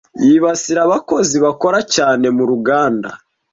yibasira abakozi bakora cyane muruganda